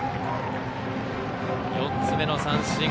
４つ目の三振。